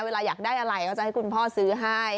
เวลาอยากได้อะไรก็จะให้คุณพ่อซื้อให้